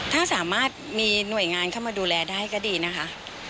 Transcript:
ถ้าสามารถมีหน่วยงานเข้ามาดูแลได้ก็ดีนะคะ